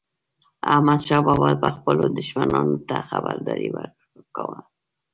احمدشاه بابا به خپلو دښمنانو ته خبرداری ورکاوه.